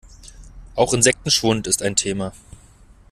Auch Insektenschwund ist ein Thema.